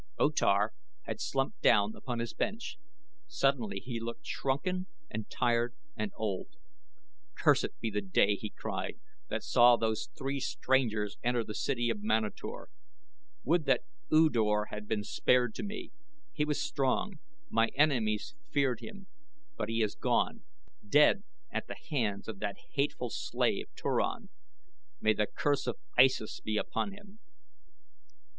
O Tar had slumped down upon his bench suddenly he looked shrunken and tired and old. "Cursed be the day," he cried, "that saw those three strangers enter the city of Manator. Would that U Dor had been spared to me. He was strong my enemies feared him; but he is gone dead at the hands of that hateful slave, Turan; may the curse of Issus be upon him!"